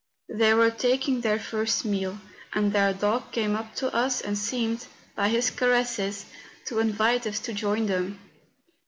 They were taking their first meal, and their dog came up to us and seemed, by his caresses, to invite us to join them.